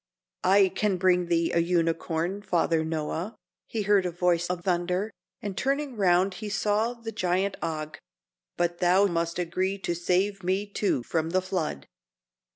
"I can bring thee a unicorn, Father Noah," he heard in a voice of thunder, and turning round he saw the giant, Og. "But thou must agree to save me, too, from the flood."